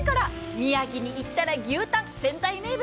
宮城に行ったら牛タン仙台名物。